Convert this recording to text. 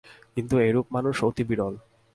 কিন্তু এরূপ মানুষ অতি বিরল।